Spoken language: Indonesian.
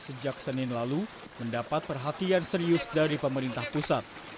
sejak senin lalu mendapat perhatian serius dari pemerintah pusat